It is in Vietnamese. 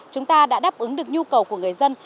chúng ta đã đáp ứng được nhu cầu của người dân